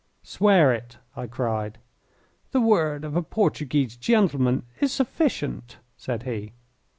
"Swear it!" I cried. "The word of a Portuguese gentleman is sufficient," said he.